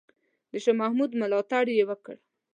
د شاه محمود ملاتړ یې وکړ.